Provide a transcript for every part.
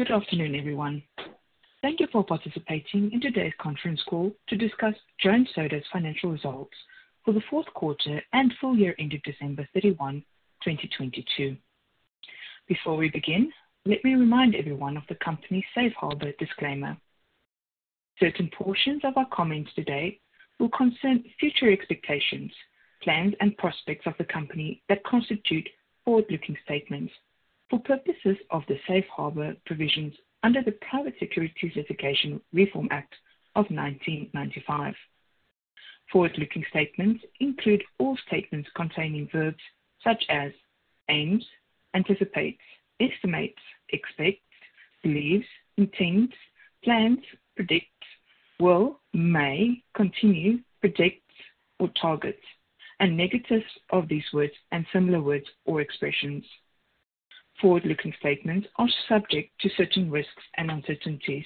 Good afternoon, everyone. Thank you for participating in today's conference call to discuss Jones Soda's financial results for the fourth quarter and full year ended December 31, 2022. Before we begin, let me remind everyone of the company's safe harbor disclaimer. Certain portions of our comments today will concern future expectations, plans, and prospects of the company that constitute forward-looking statements for purposes of the safe harbor provisions under the Private Securities Litigation Reform Act of 1995. Forward-looking statements include all statements containing verbs such as aims, anticipates, estimates, expects, believes, intends, plans, predicts, will, may, continue, projects, or targets, and negatives of these words and similar words or expressions. Forward-looking statements are subject to certain risks and uncertainties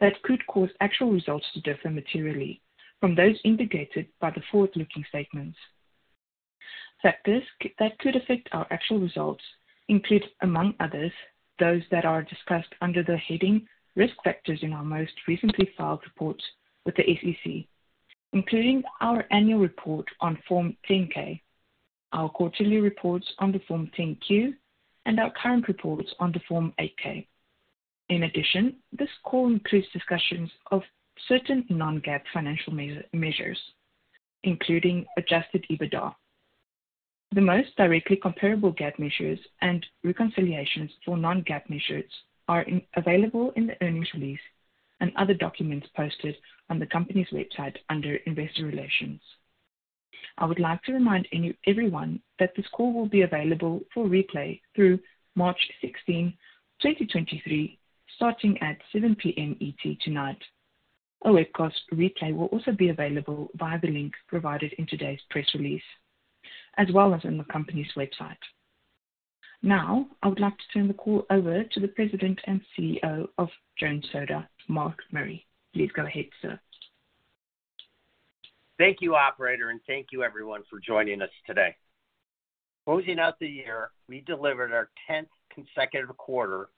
that could cause actual results to differ materially from those indicated by the forward-looking statements. Factors that could affect our actual results include, among others, those that are discussed under the heading Risk Factors in our most recently filed reports with the SEC, including our annual report on Form 10-K, our quarterly reports on the Form 10-Q, and our current reports on the Form 8-K. In addition, this call includes discussions of certain non-GAAP financial measures, including adjusted EBITDA. The most directly comparable GAAP measures and reconciliations for non-GAAP measures are available in the earnings release and other documents posted on the company's website under Investor Relations. I would like to remind everyone that this call will be available for replay through March 16, 2023, starting at 7:00 P.M. ET tonight. A webcast replay will also be available via the link provided in today's press release, as well as on the company's website. I would like to turn the call over to the President and CEO of Jones Soda, Mark Murray. Please go ahead, sir. Thank you, operator, and thank you everyone for joining us today. Closing out the year, we delivered our 10th consecutive quarter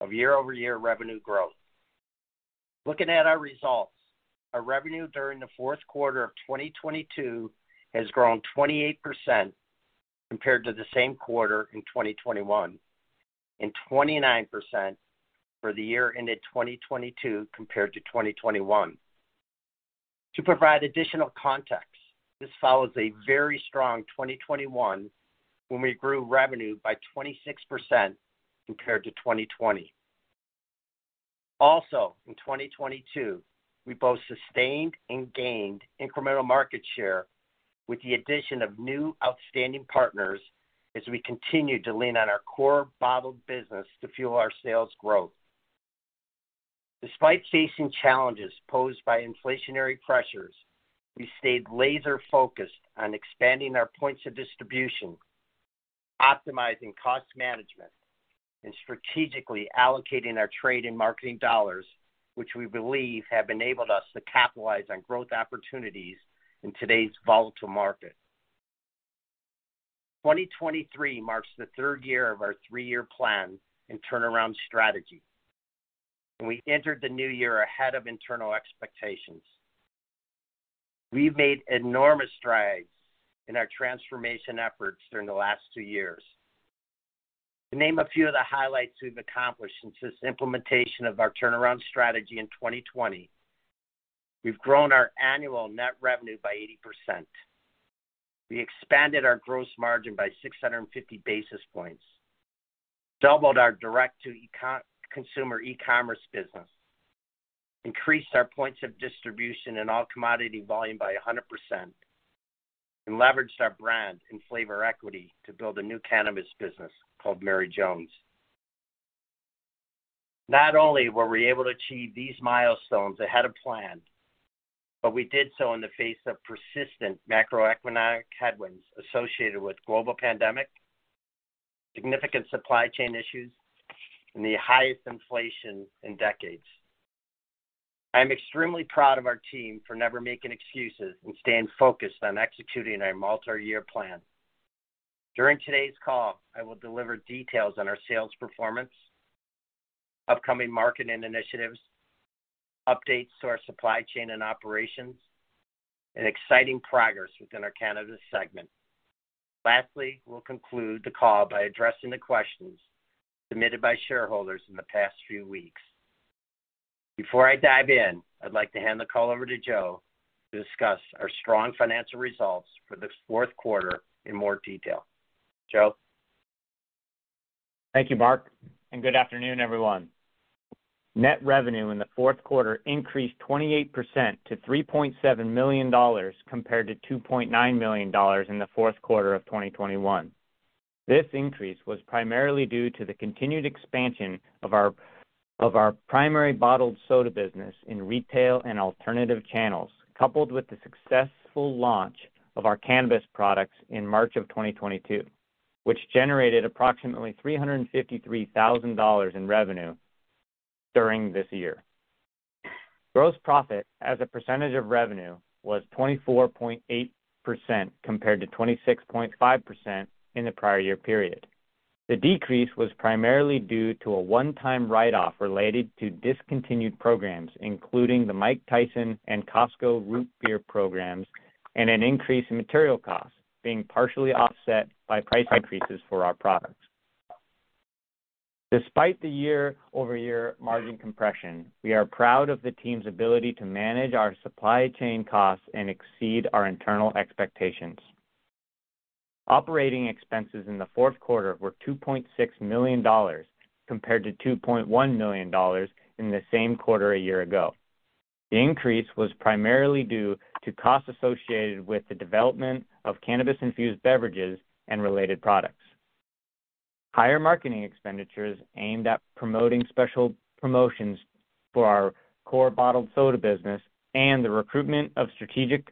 of year-over-year revenue growth. Looking at our results, our revenue during the fourth quarter of 2022 has grown 28% compared to the same quarter in 2021, and 29% for the year ended 2022 compared to 2021. To provide additional context, this follows a very strong 2021 when we grew revenue by 26% compared to 2020. Also, in 2022, we both sustained and gained incremental market share with the addition of new outstanding partners as we continued to lean on our core bottled business to fuel our sales growth. Despite facing challenges posed by inflationary pressures, we stayed laser-focused on expanding our points of distribution, optimizing cost management, and strategically allocating our trade and marketing dollars, which we believe have enabled us to capitalize on growth opportunities in today's volatile market. 2023 marks the third year of our three-year plan and turnaround strategy, and we entered the new year ahead of internal expectations. We've made enormous strides in our transformation efforts during the last two years. To name a few of the highlights we've accomplished since this implementation of our turnaround strategy in 2020, we've grown our annual net revenue by 80%. We expanded our gross margin by 650 basis points, doubled our direct-to-consumer e-commerce business, increased our points of distribution and All Commodity Volume by 100%. Leveraged our brand and flavor equity to build a new cannabis business called Mary Jones. Not only were we able to achieve these milestones ahead of plan, we did so in the face of persistent macroeconomic headwinds associated with global pandemic, significant supply chain issues, and the highest inflation in decades. I'm extremely proud of our team for never making excuses and staying focused on executing our multi-year plan. During today's call, I will deliver details on our sales performance, upcoming marketing initiatives, updates to our supply chain and operations, and exciting progress within our cannabis segment. Lastly, we'll conclude the call by addressing the questions submitted by shareholders in the past few weeks. Before I dive in, I'd like to hand the call over to Joe to discuss our strong financial results for the fourth quarter in more detail. Joe? Thank you, Mark. Good afternoon, everyone. Net revenue in the fourth quarter increased 28% to $3.7 million compared to $2.9 million in the fourth quarter of 2021. This increase was primarily due to the continued expansion of our primary bottled soda business in retail and alternative channels, coupled with the successful launch of our cannabis products in March of 2022, which generated approximately $353,000 in revenue during this year. Gross profit as a percentage of revenue was 24.8% compared to 26.5% in the prior year period. The decrease was primarily due to a one-time write-off related to discontinued programs, including the Mike Tyson and Costco Root Beer programs, and an increase in material costs being partially offset by price increases for our products. Despite the year-over-year margin compression, we are proud of the team's ability to manage our supply chain costs and exceed our internal expectations. Operating expenses in the fourth quarter were $2.6 million compared to $2.1 million in the same quarter a year ago. The increase was primarily due to costs associated with the development of cannabis-infused beverages and related products. Higher marketing expenditures aimed at promoting special promotions for our core bottled soda business and the recruitment of strategic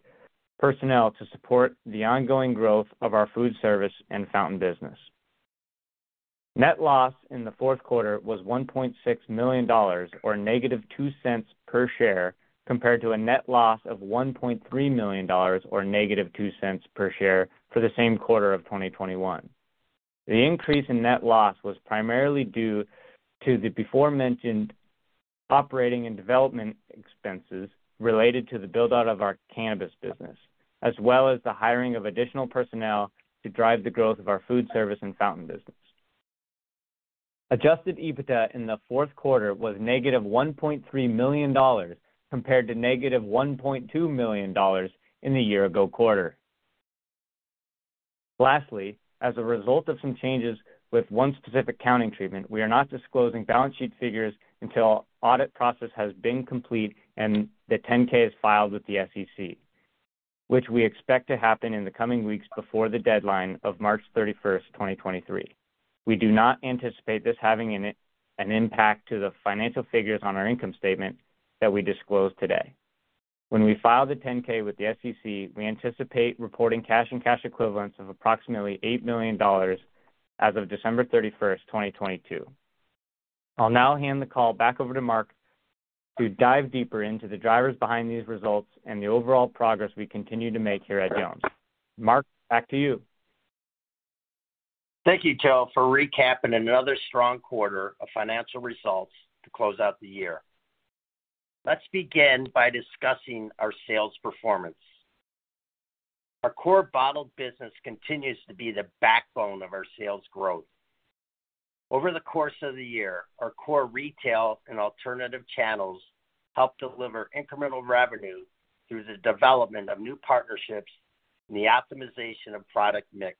personnel to support the ongoing growth of our food service and fountain business. Net loss in the fourth quarter was $1.6 million, or -$0.02 per share, compared to a net loss of $1.3 million or -$0.02 per share for the same quarter of 2021. The increase in net loss was primarily due to the before-mentioned operating and development expenses related to the build-out of our cannabis business, as well as the hiring of additional personnel to drive the growth of our Foodservice and fountain business. Adjusted EBITDA in the fourth quarter was -$1.3 million compared to -$1.2 million in the year-ago quarter. Lastly, as a result of some changes with one specific accounting treatment, we are not disclosing balance sheet figures until audit process has been complete and the Form 10-K is filed with the SEC, which we expect to happen in the coming weeks before the deadline of March 31, 2023. We do not anticipate this having an impact to the financial figures on our income statement that we disclose today. When we file the 10-K with the SEC, we anticipate reporting cash and cash equivalents of approximately $8 million as of December 31, 2022. I'll now hand the call back over to Mark to dive deeper into the drivers behind these results and the overall progress we continue to make here at Jones. Mark, back to you. Thank you, Joe, for recapping another strong quarter of financial results to close out the year. Let's begin by discussing our sales performance. Our core bottled business continues to be the backbone of our sales growth. Over the course of the year, our core retail and alternative channels helped deliver incremental revenue through the development of new partnerships and the optimization of product mix.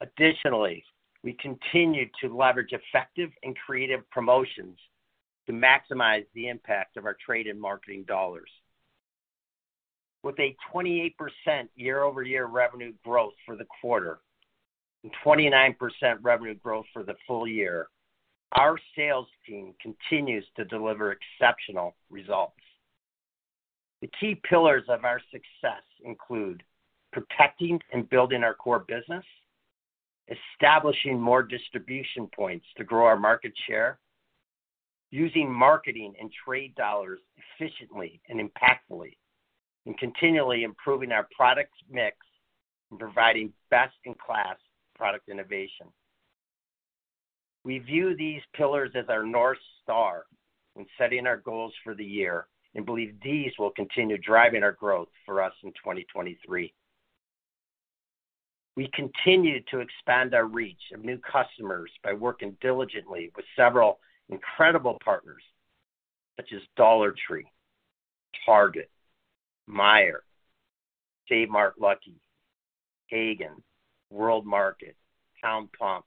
Additionally, we continued to leverage effective and creative promotions to maximize the impact of our trade and marketing dollars. With a 28% year-over-year revenue growth for the quarter and 29% revenue growth for the full year, our sales team continues to deliver exceptional results. The key pillars of our success include protecting and building our core business, establishing more distribution points to grow our market share, using marketing and trade dollars efficiently and impactfully, and continually improving our products mix and providing best-in-class product innovation. We view these pillars as our North Star in setting our goals for the year and believe these will continue driving our growth for us in 2023. We continued to expand our reach of new customers by working diligently with several incredible partners such as Dollar Tree, Target, Meijer, Kmart, Lucky, Haggen, World Market, Town Pump,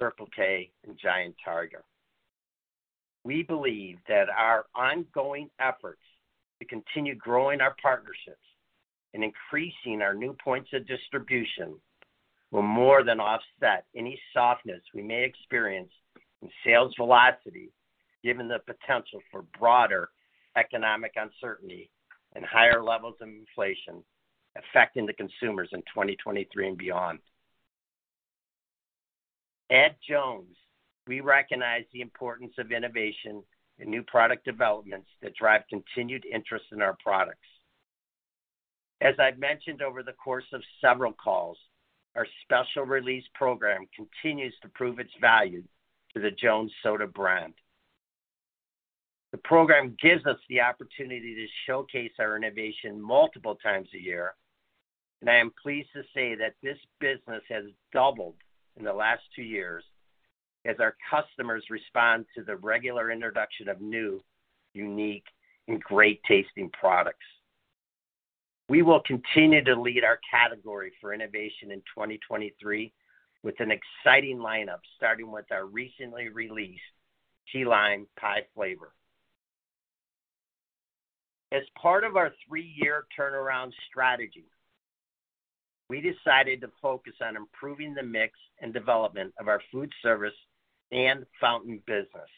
Circle K, and Giant Tiger. We believe that our ongoing efforts to continue growing our partnerships and increasing our new points of distribution will more than offset any softness we may experience in sales velocity, given the potential for broader economic uncertainty and higher levels of inflation affecting the consumers in 2023 and beyond. At Jones, we recognize the importance of innovation and new product developments that drive continued interest in our products. As I've mentioned over the course of several calls, our special release program continues to prove its value to the Jones Soda brand. The program gives us the opportunity to showcase our innovation multiple times a year, and I am pleased to say that this business has doubled in the last two years as our customers respond to the regular introduction of new, unique, and great-tasting products. We will continue to lead our category for innovation in 2023 with an exciting lineup, starting with our recently released Key Lime Pie flavor. As part of our three-year turnaround strategy, we decided to focus on improving the mix and development of our food service and fountain business.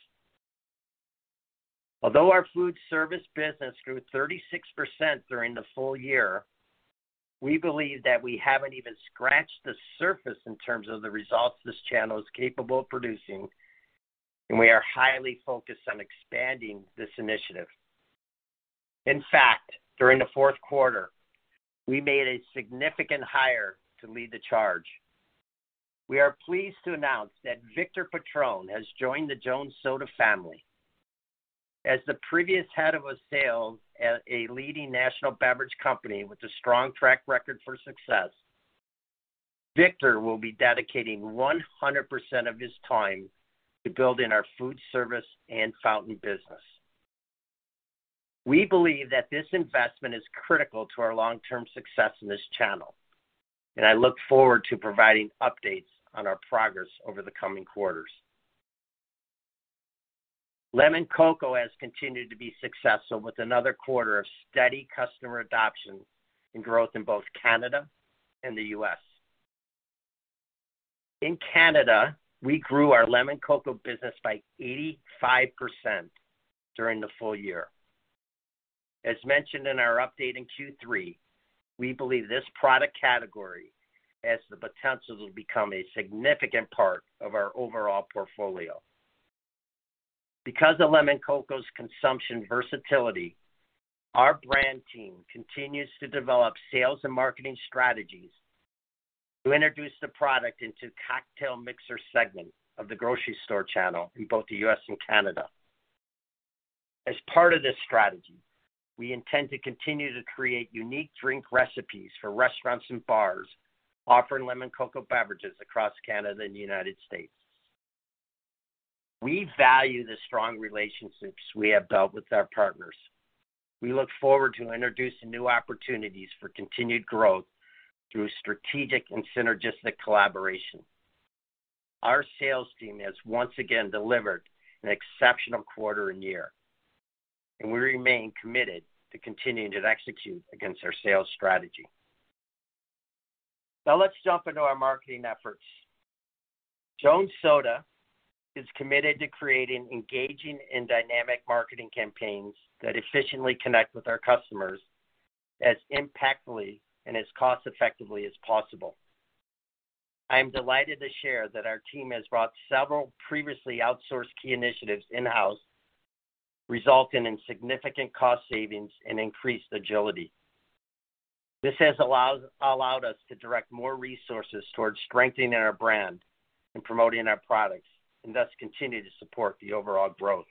Although our food service business grew 36% during the full year, we believe that we haven't even scratched the surface in terms of the results this channel is capable of producing, and we are highly focused on expanding this initiative. In fact, during the fourth quarter, we made a significant hire to lead the charge. We are pleased to announce that Victor Petrone has joined the Jones Soda family. As the previous head of a sale at a leading national beverage company with a strong track record for success, Victor will be dedicating 100% of his time to building our food service and fountain business. We believe that this investment is critical to our long-term success in this channel, and I look forward to providing updates on our progress over the coming quarters. Lemoncocco has continued to be successful with another quarter of steady customer adoption and growth in both Canada and the U.S. In Canada, we grew our Lemoncocco business by 85% during the full year. As mentioned in our update in Q3, we believe this product category has the potential to become a significant part of our overall portfolio. Because of Lemoncocco's consumption versatility, our brand team continues to develop sales and marketing strategies to introduce the product into cocktail mixer segment of the grocery store channel in both the U.S. and Canada. As part of this strategy, we intend to continue to create unique drink recipes for restaurants and bars offering Lemoncocco beverages across Canada and the United States. We value the strong relationships we have built with our partners. We look forward to introducing new opportunities for continued growth through strategic and synergistic collaboration. Our sales team has once again delivered an exceptional quarter and year, and we remain committed to continuing to execute against our sales strategy. Now let's jump into our marketing efforts. Jones Soda is committed to creating engaging and dynamic marketing campaigns that efficiently connect with our customers as impactfully and as cost effectively as possible. I am delighted to share that our team has brought several previously outsourced key initiatives in-house, resulting in significant cost savings and increased agility. This has allowed us to direct more resources towards strengthening our brand and promoting our products, and thus continue to support the overall growth.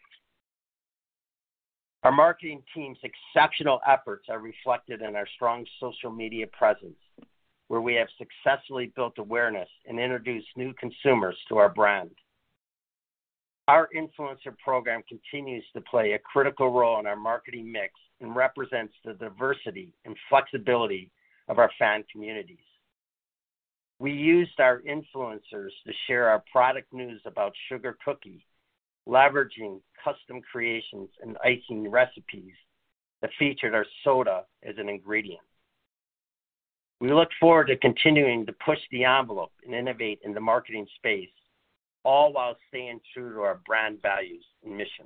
Our marketing team's exceptional efforts are reflected in our strong social media presence, where we have successfully built awareness and introduced new consumers to our brand. Our influencer program continues to play a critical role in our marketing mix and represents the diversity and flexibility of our fan communities. We used our influencers to share our product news about Sugar Cookie, leveraging custom creations and icing recipes that featured our soda as an ingredient. We look forward to continuing to push the envelope and innovate in the marketing space, all while staying true to our brand values and mission.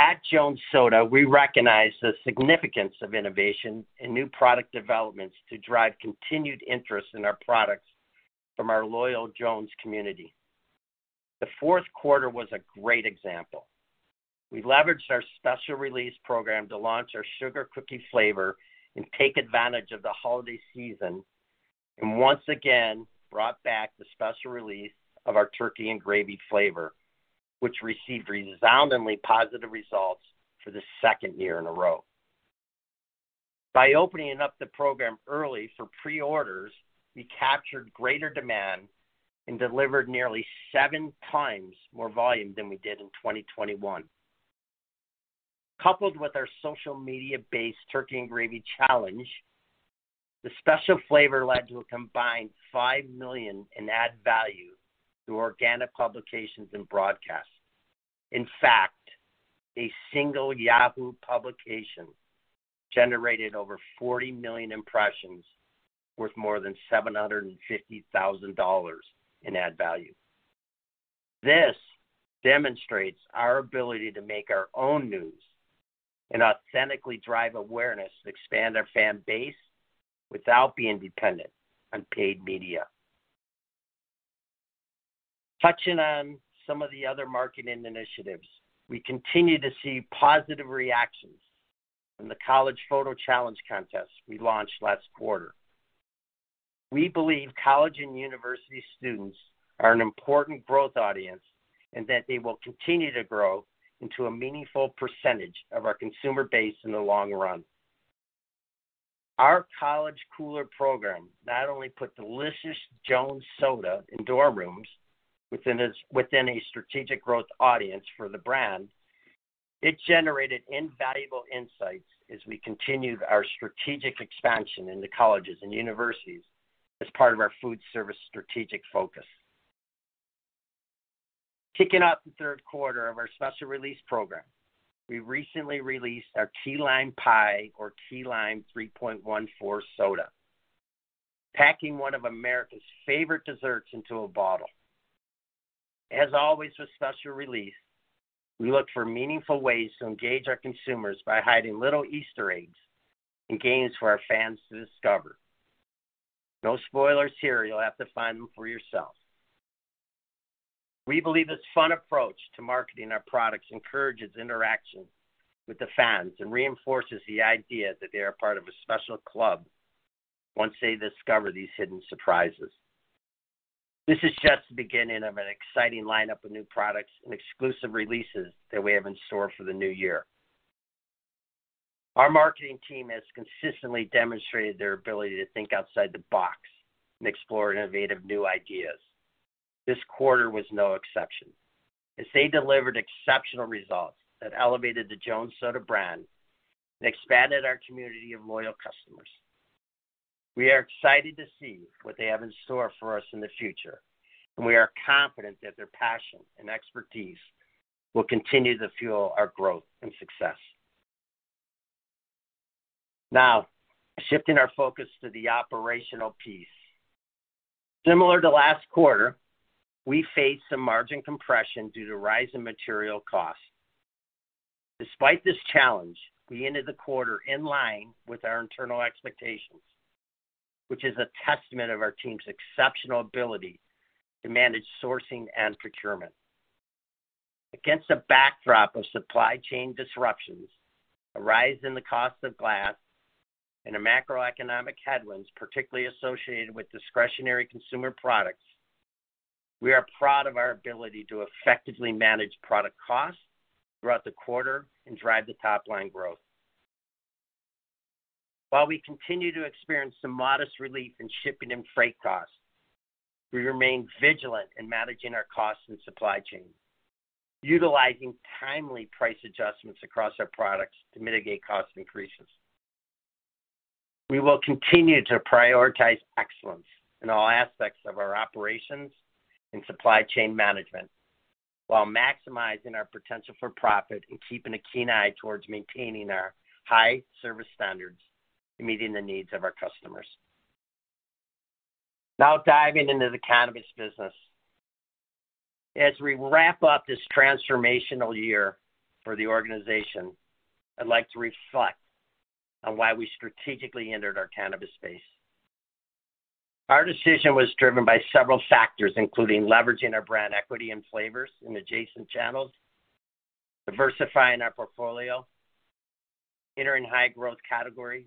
At Jones Soda, we recognize the significance of innovation and new product developments to drive continued interest in our products from our loyal Jones community. The fourth quarter was a great example. We leveraged our special release program to launch our Sugar Cookie flavor and take advantage of the holiday season, and once again, brought back the special release of our Turkey & Gravy flavor, which received resoundingly positive results for the second year in a row. By opening up the program early for pre-orders, we captured greater demand and delivered nearly 7x more volume than we did in 2021. Coupled with our social media-based Turkey & Gravy challenge, the special flavor led to a combined $5 million in ad value through organic publications and broadcasts. In fact, a single Yahoo publication generated over 40 million impressions, worth more than $750,000 in ad value. This demonstrates our ability to make our own news and authentically drive awareness to expand our fan base without being dependent on paid media. Touching on some of the other marketing initiatives, we continue to see positive reactions from the college photo challenge contest we launched last quarter. We believe college and university students are an important growth audience, and that they will continue to grow into a meaningful percentage of our consumer base in the long run. Our college cooler program not only put delicious Jones Soda in dorm rooms within a strategic growth audience for the brand, it generated invaluable insights as we continued our strategic expansion into colleges and universities as part of our food service strategic focus. Kicking off the third quarter of our special release program, we recently released our Key Lime Pie or Key Lime 3.14 soda. Packing one of America's favorite desserts into a bottle. As always with special release, we look for meaningful ways to engage our consumers by hiding little Easter eggs and games for our fans to discover. No spoilers here, you'll have to find them for yourself. We believe this fun approach to marketing our products encourages interaction with the fans and reinforces the idea that they are part of a special club once they discover these hidden surprises. This is just the beginning of an exciting lineup of new products and exclusive releases that we have in store for the new year. Our marketing team has consistently demonstrated their ability to think outside the box and explore innovative new ideas. This quarter was no exception, as they delivered exceptional results that elevated the Jones Soda brand and expanded our community of loyal customers. We are excited to see what they have in store for us in the future, and we are confident that their passion and expertise will continue to fuel our growth and success. Now, shifting our focus to the operational piece. Similar to last quarter, we faced some margin compression due to rise in material costs. Despite this challenge, we ended the quarter in line with our internal expectations, which is a testament of our team's exceptional ability to manage sourcing and procurement. Against a backdrop of supply chain disruptions, a rise in the cost of glass, and a macroeconomic headwinds particularly associated with discretionary consumer products, we are proud of our ability to effectively manage product costs throughout the quarter and drive the top line growth. While we continue to experience some modest relief in shipping and freight costs, we remain vigilant in managing our costs and supply chain, utilizing timely price adjustments across our products to mitigate cost increases. We will continue to prioritize excellence in all aspects of our operations and supply chain management while maximizing our potential for profit and keeping a keen eye towards maintaining our high service standards and meeting the needs of our customers. Now, diving into the cannabis business. As we wrap up this transformational year for the organization, I'd like to reflect on why we strategically entered our cannabis space. Our decision was driven by several factors, including leveraging our brand equity and flavors in adjacent channels, diversifying our portfolio, entering high-growth categories,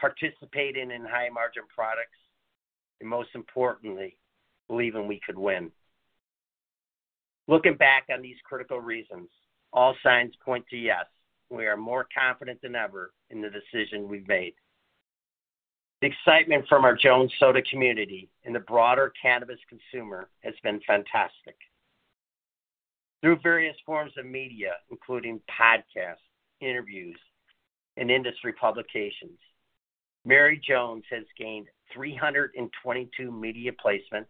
participating in high-margin products, and most importantly, believing we could win. Looking back on these critical reasons, all signs point to yes, we are more confident than ever in the decision we've made. The excitement from our Jones Soda community and the broader cannabis consumer has been fantastic. Through various forms of media, including podcasts, interviews, and industry publications, Mary Jones has gained 322 media placements,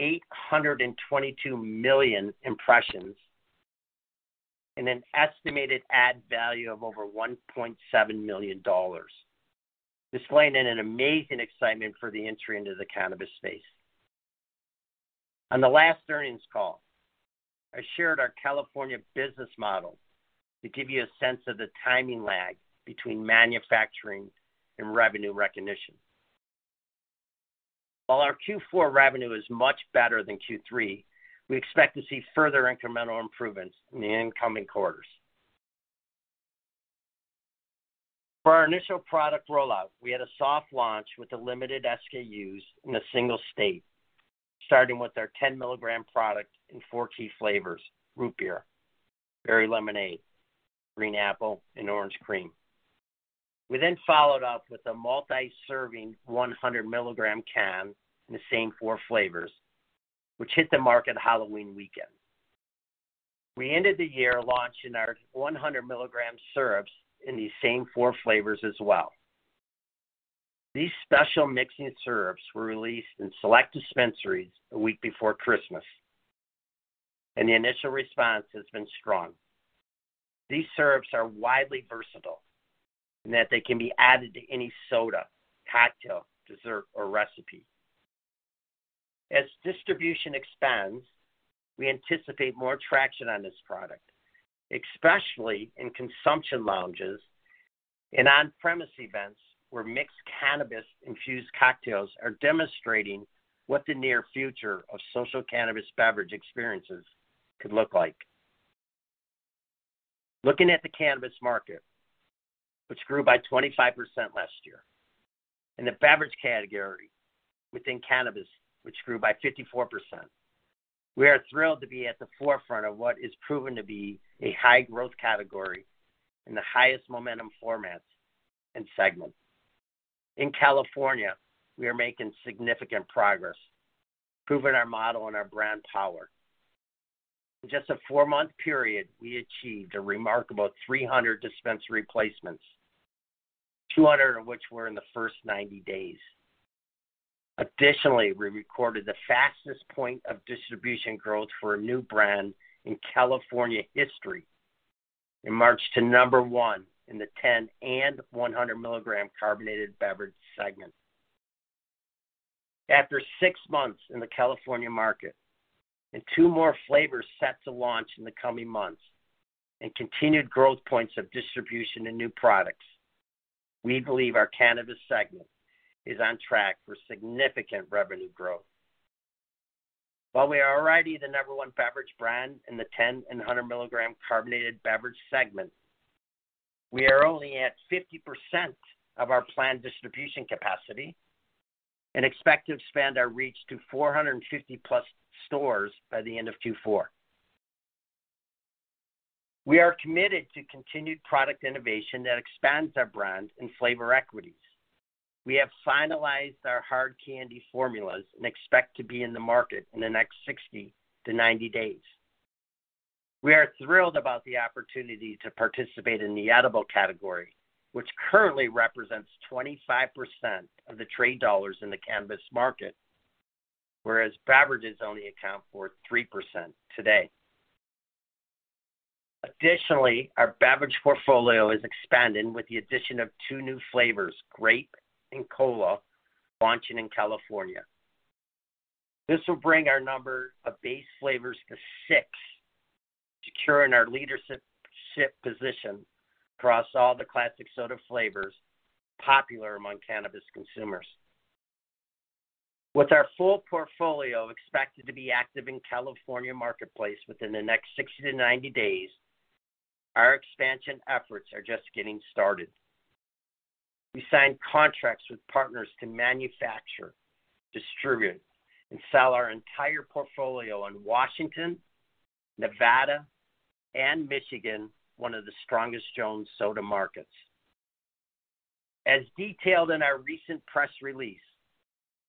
822 million impressions, and an estimated ad value of over $1.7 million, displaying an amazing excitement for the entry into the cannabis space. On the last earnings call, I shared our California business model to give you a sense of the timing lag between manufacturing and revenue recognition. While our Q4 revenue is much better than Q3, we expect to see further incremental improvements in the incoming quarters. For our initial product rollout, we had a soft launch with the limited SKUs in a single state, starting with our 10 mg product in four key flavors: Root Beer, Berry Lemonade, Green Apple and Orange Cream. We followed up with a multi-serving 100 mg can in the same four flavors, which hit the market Halloween weekend. We ended the year launching our 100 mg syrups in these same four flavors as well. These special mixing syrups were released in select dispensaries a week before Christmas, and the initial response has been strong. These syrups are widely versatile in that they can be added to any soda, cocktail, dessert or recipe. As distribution expands, we anticipate more traction on this product, especially in consumption lounges and on-premise events where mixed cannabis infused cocktails are demonstrating what the near future of social cannabis beverage experiences could look like. Looking at the cannabis market, which grew by 25% last year, and the beverage category within cannabis, which grew by 54%, we are thrilled to be at the forefront of what is proven to be a high growth category in the highest momentum formats and segments. In California, we are making significant progress, proving our model and our brand power. In just a four-month period, we achieved a remarkable 300 dispensary placements, 200 of which were in the first 90 days. Additionally, we recorded the fastest point of distribution growth for a new brand in California history. In March to number one in the 10 and 100 mg carbonated beverage segment. After six months in the California market and two more flavors set to launch in the coming months and continued growth points of distribution and new products, we believe our cannabis segment is on track for significant revenue growth. We are already the number one beverage brand in the 10 and 100 mg carbonated beverage segment, we are only at 50% of our planned distribution capacity and expect to expand our reach to 450+ stores by the end of Q4. We are committed to continued product innovation that expands our brand and flavor equities. We have finalized our hard candy formulas and expect to be in the market in the next 60-90 days. We are thrilled about the opportunity to participate in the edible category, which currently represents 25% of the trade dollars in the cannabis market, whereas beverages only account for 3% today. Additionally, our beverage portfolio is expanding with the addition of two new flavors, grape and Cola, launching in California. This will bring our number of base flavors to six, securing our leadership position across all the classic soda flavors popular among cannabis consumers. With our full portfolio expected to be active in California marketplace within the next 60-90 days, our expansion efforts are just getting started. We signed contracts with partners to manufacture, distribute, and sell our entire portfolio in Washington, Nevada, and Michigan, one of the strongest Jones Soda markets. As detailed in our recent press release,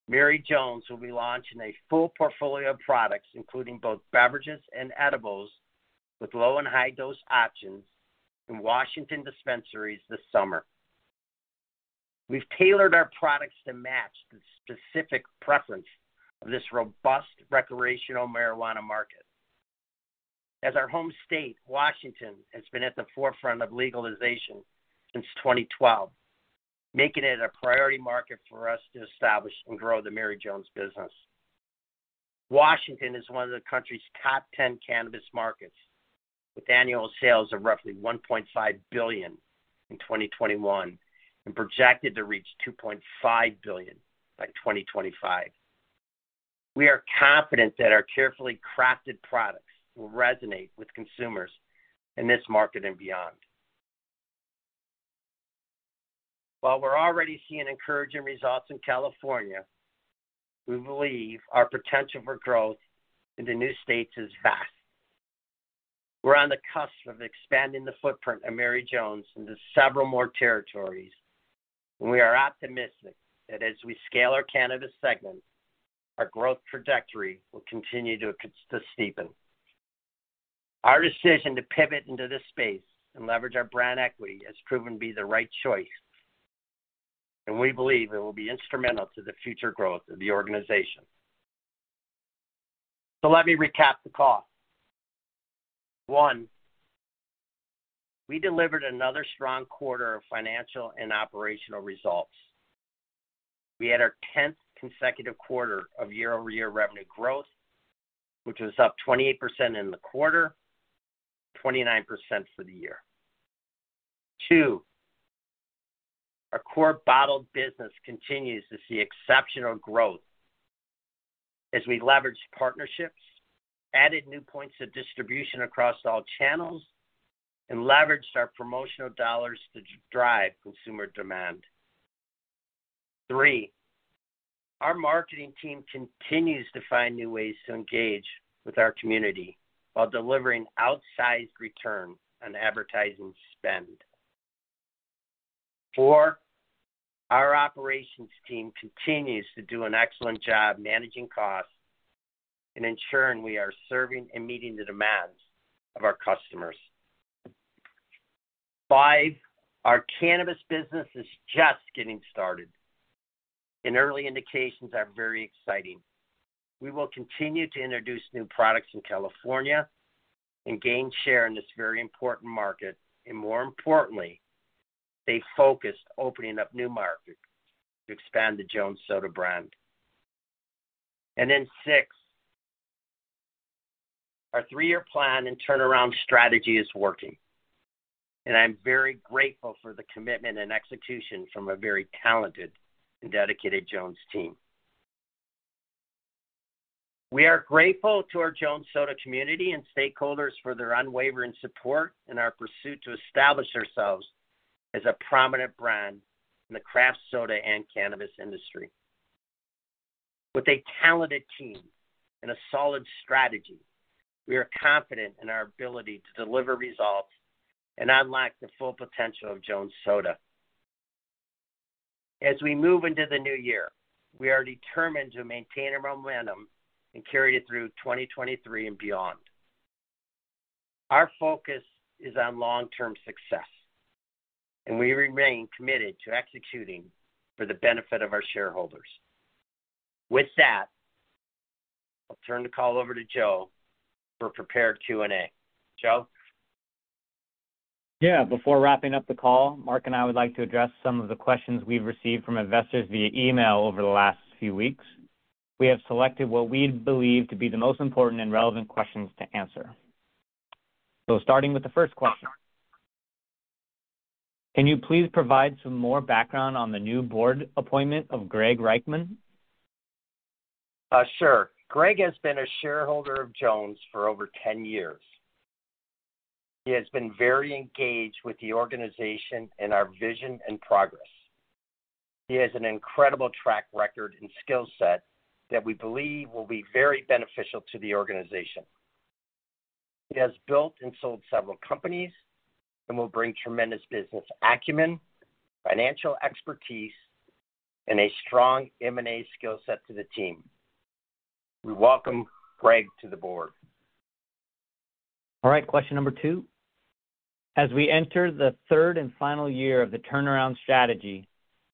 Mary Jones will be launching a full portfolio of products, including both beverages and edibles with low and high dose options in Washington dispensaries this summer. We've tailored our products to match the specific preference of this robust recreational marijuana market. As our home state, Washington has been at the forefront of legalization since 2012, making it a priority market for us to establish and grow the Mary Jones business. Washington is one of the country's top 10 cannabis markets, with annual sales of roughly $1.5 billion in 2021 and projected to reach $2.5 billion by 2025. We are confident that our carefully crafted products will resonate with consumers in this market and beyond. While we're already seeing encouraging results in California, we believe our potential for growth in the new states is vast. We're on the cusp of expanding the footprint of Mary Jones into several more territories, and we are optimistic that as we scale our cannabis segment, our growth trajectory will continue to steepen. Our decision to pivot into this space and leverage our brand equity has proven to be the right choice, and we believe it will be instrumental to the future growth of the organization. Let me recap the call. One, we delivered another strong quarter of financial and operational results. We had our tenth consecutive quarter of year-over-year revenue growth, which was up 28% in the quarter, 29% for the year. Two, our core bottled business continues to see exceptional growth as we leveraged partnerships, added new points of distribution across all channels, and leveraged our promotional dollars to drive consumer demand. Three, our marketing team continues to find new ways to engage with our community while delivering outsized return on advertising spend. Four, our operations team continues to do an excellent job managing costs and ensuring we are serving and meeting the demands of our customers. Five, our cannabis business is just getting started, and early indications are very exciting. We will continue to introduce new products in California and gain share in this very important market, and more importantly, stay focused opening up new markets to expand the Jones Soda brand. Six, our three-year plan and turnaround strategy is working, and I'm very grateful for the commitment and execution from a very talented and dedicated Jones team. We are grateful to our Jones Soda community and stakeholders for their unwavering support in our pursuit to establish ourselves as a prominent brand in the craft soda and cannabis industry. With a talented team and a solid strategy, we are confident in our ability to deliver results and unlock the full potential of Jones Soda. As we move into the new year, we are determined to maintain our momentum and carry it through 2023 and beyond. Our focus is on long-term success, and we remain committed to executing for the benefit of our shareholders. With that, I'll turn the call over to Joe for prepared Q&A. Joe? Yeah. Before wrapping up the call, Mark and I would like to address some of the questions we've received from investors via email over the last few weeks. We have selected what we believe to be the most important and relevant questions to answer. Starting with the first question, can you please provide some more background on the new board appointment of Gregg Reichman? Sure. Gregg has been a shareholder of Jones for over 10 years. He has been very engaged with the organization and our vision and progress. He has an incredible track record and skill set that we believe will be very beneficial to the organization. He has built and sold several companies and will bring tremendous business acumen, financial expertise, and a strong M&A skill set to the team. We welcome Gregg to the board. All right, question number two. As we enter the third and final year of the turnaround strategy,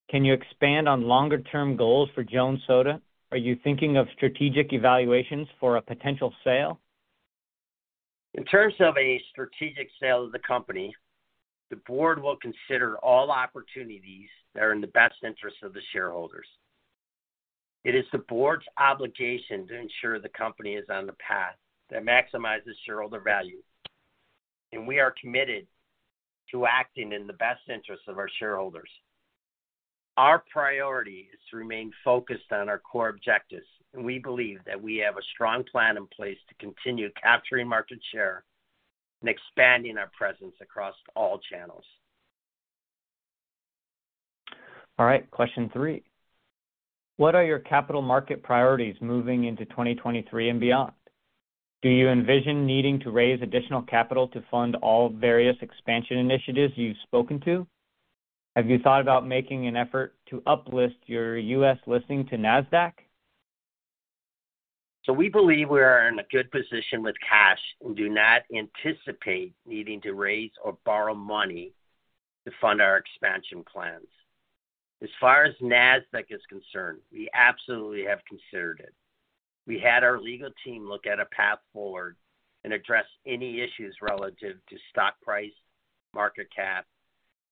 can you expand on longer term goals for Jones Soda? Are you thinking of strategic evaluations for a potential sale? In terms of a strategic sale of the company, the board will consider all opportunities that are in the best interest of the shareholders. It is the board's obligation to ensure the company is on the path that maximizes shareholder value, and we are committed to acting in the best interest of our shareholders. Our priority is to remain focused on our core objectives, and we believe that we have a strong plan in place to continue capturing market share and expanding our presence across all channels. All right, question three. What are your capital market priorities moving into 2023 and beyond? Do you envision needing to raise additional capital to fund all various expansion initiatives you've spoken to? Have you thought about making an effort to uplist your U.S. listing to Nasdaq? We believe we are in a good position with cash and do not anticipate needing to raise or borrow money to fund our expansion plans. As far as Nasdaq is concerned, we absolutely have considered it. We had our legal team look at a path forward and address any issues relative to stock price, market cap,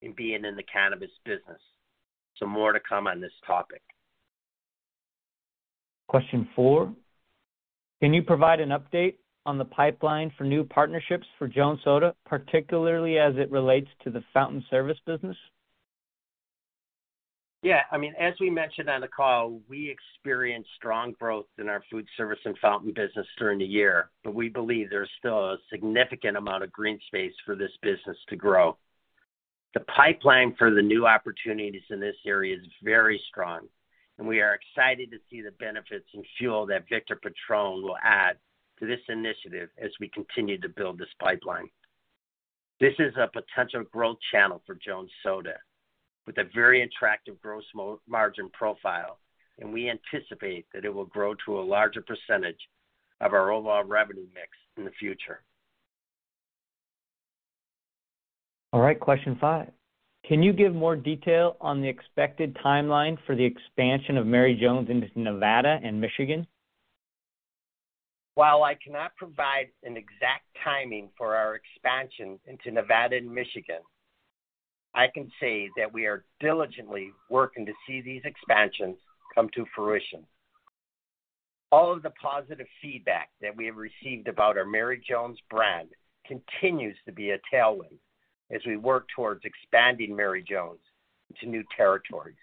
and being in the cannabis business. More to come on this topic. Question four, can you provide an update on the pipeline for new partnerships for Jones Soda, particularly as it relates to the fountain service business? I mean, as we mentioned on the call, we experienced strong growth in our food service and fountain business during the year, but we believe there's still a significant amount of green space for this business to grow. The pipeline for the new opportunities in this area is very strong, and we are excited to see the benefits and fuel that Victor Petrone will add to this initiative as we continue to build this pipeline. This is a potential growth channel for Jones Soda with a very attractive gross margin profile, and we anticipate that it will grow to a larger percentage of our overall revenue mix in the future. All right, question five. Can you give more detail on the expected timeline for the expansion of Mary Jones into Nevada and Michigan? While I cannot provide an exact timing for our expansion into Nevada and Michigan, I can say that we are diligently working to see these expansions come to fruition. All of the positive feedback that we have received about our Mary Jones brand continues to be a tailwind as we work towards expanding Mary Jones into new territories.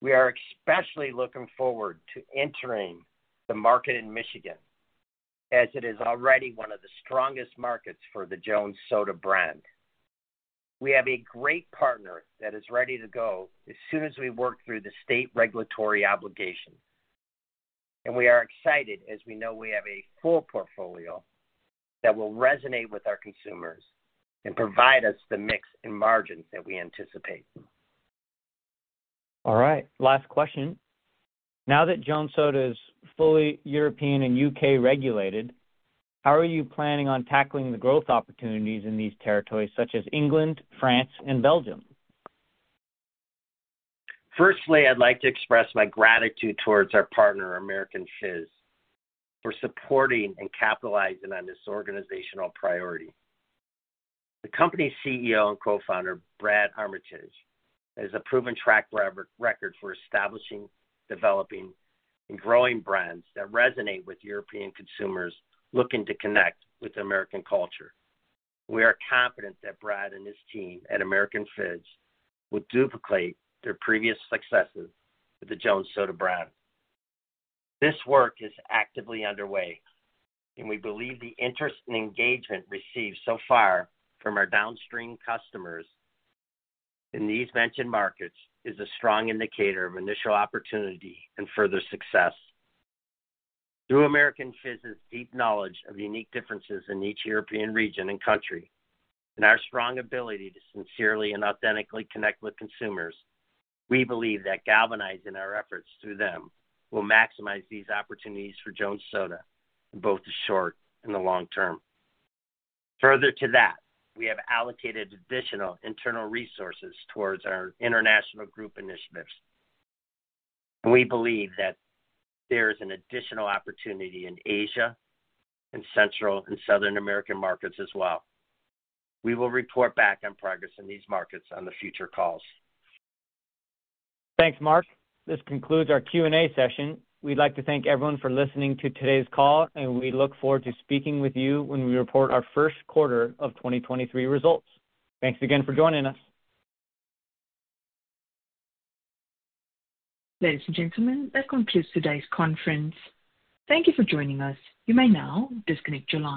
We are especially looking forward to entering the market in Michigan, as it is already one of the strongest markets for the Jones Soda brand. We have a great partner that is ready to go as soon as we work through the state regulatory obligations. We are excited as we know we have a full portfolio that will resonate with our consumers and provide us the mix and margins that we anticipate. All right, last question. Now that Jones Soda is fully European and U.K. regulated, how are you planning on tackling the growth opportunities in these territories such as England, France, and Belgium? Firstly, I'd like to express my gratitude towards our partner, American Fizz, for supporting and capitalizing on this organizational priority. The company's CEO and co-founder, Brad Armitage, has a proven track record for establishing, developing, and growing brands that resonate with European consumers looking to connect with American culture. We are confident that Brad and his team at American Fizz will duplicate their previous successes with the Jones Soda brand. This work is actively underway, and we believe the interest and engagement received so far from our downstream customers in these mentioned markets is a strong indicator of initial opportunity and further success. Through American Fizz's deep knowledge of the unique differences in each European region and country and our strong ability to sincerely and authentically connect with consumers, we believe that galvanizing our efforts through them will maximize these opportunities for Jones Soda in both the short and the long term. Further to that, we have allocated additional internal resources towards our international group initiatives. We believe that there is an additional opportunity in Asia and Central and Southern American markets as well. We will report back on progress in these markets on the future calls. Thanks, Mark. This concludes our Q&A session. We'd like to thank everyone for listening to today's call. We look forward to speaking with you when we report our first quarter of 2023 results. Thanks again for joining us. Ladies and gentlemen, that concludes today's conference. Thank you for joining us. You may now disconnect your lines.